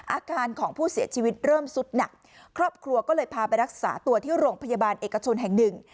อาการของผู้เสียชีวิตเริ่มสุดหนักครอบครัวก็เลยพาไปรักษาตัวที่โรงพยาบาลเอกชนแห่งหนึ่ง